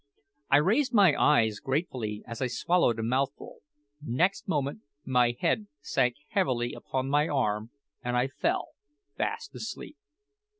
I raised my eyes gratefully as I swallowed a mouthful; next moment my head sank heavily upon my arm, and I fell fast asleep.